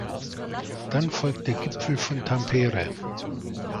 Dann folgte der Gipfel von Tampere.